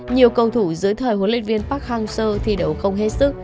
nhiều cầu thủ dưới thời huấn luyện viên park hang seo thi đấu không hết sức